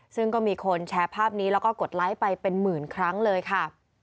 ซึ่งก็มีคนแชร์ภาพนี้แล้วก็กดไลค์ไปเป็นหมื่นครั้งเลยค่ะ